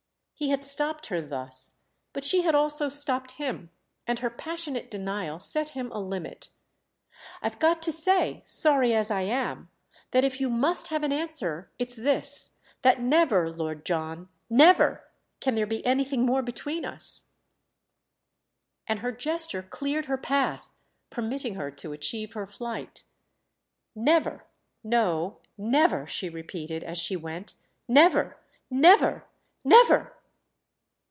He had stopped her thus, but she had also stopped him, and her passionate denial set him a limit. "I've got to say—sorry as I am—that if you must have an answer it's this: that never, Lord John, never, can there be anything more between us." And her gesture cleared her path, permitting her to achieve her flight. "Never, no, never," she repeated as she went—"never, never, never!"